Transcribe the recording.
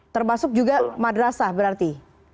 termasuk juga madrasah berarti